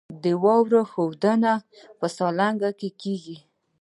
د واورې ښویدنه په سالنګ کې کیږي